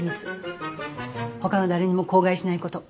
ほかの誰にも口外しないこと。